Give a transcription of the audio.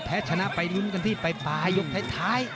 แพ้ชนะไปยุ้นกันที่ไปป่ายยกท้าย